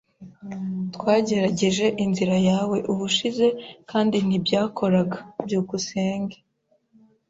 Twagerageje inzira yawe ubushize kandi ntibyakoraga. byukusenge